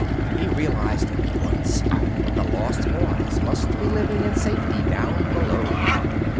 He realised at once that the Lost Boys must be living in safety down below.